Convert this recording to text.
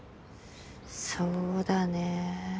そうだね。